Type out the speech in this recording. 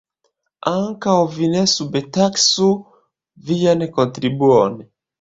Ankaŭ vi ne subtaksu vian kontribuon.